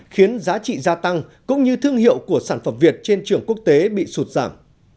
khiến giá trị gia tăng cũng như thương hiệu của sản phẩm việt trên trường quốc tế bị sụt giảm